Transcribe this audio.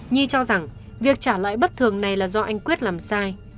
nhi cho rằng việc trả lại bất thường này là do anh quyết làm sai